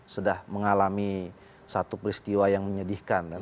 sudah mengalami satu peristiwa yang menyedihkan